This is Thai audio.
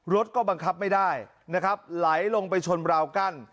รถก็บังคับไม่ได้นะครับไหลลงไปชนราวกั้น